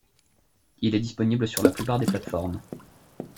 Il est disponible sur la plupart des plates-formes.